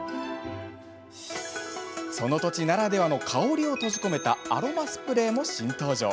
その土地ならではの香りを閉じ込めたアロマスプレーも新登場。